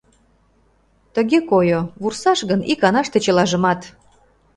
Тыге койо: вурсаш гын, иканаште чылажымат!